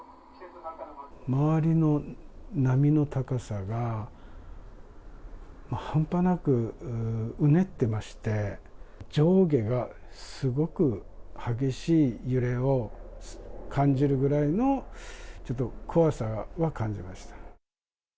周りの波の高さが、半端なくうねってまして、上下がすごく激しい揺れを感じるぐらいの、ちょっと怖さは感じました。